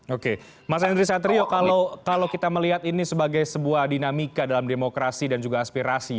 oke mas henry satrio kalau kita melihat ini sebagai sebuah dinamika dalam demokrasi dan juga aspirasi